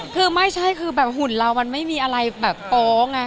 คือไม่ใช่คือแบบหุ่นเรามันไม่มีอะไรแบบโป๊ไง